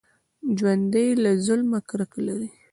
ژوندي له ظلمه کرکه لري